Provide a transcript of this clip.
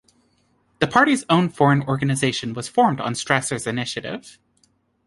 The party's own foreign organization was formed on Strasser's initiative.